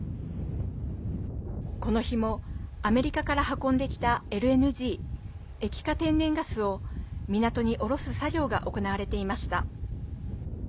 この日もアメリカから運んできたＬＮＧ＝液化天然ガスを港に降ろす作業が行われていました。